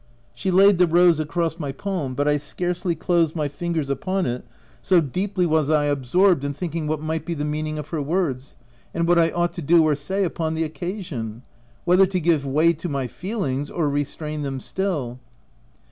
She laid the rose across my palm, but I scarcely closed my fingers upon it, so deeply was I absorbed in thinking what might be the meaning of her words, and what I ought to do or say upon the occasion ; whether to give way to my feelings or restrain them still.